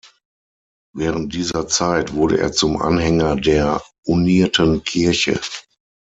Während dieser Zeit wurde er zum Anhänger der Unierten Kirche.